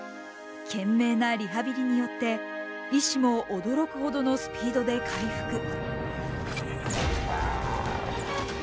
懸命なリハビリによって医師も驚くほどのスピードで回復。